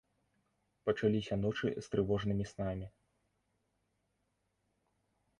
Пачаліся ночы з трывожнымі снамі.